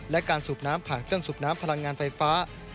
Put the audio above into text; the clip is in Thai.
และการสูบน้ำผ่านเครื่องสูบน้ำพลังงานไฟฟ้า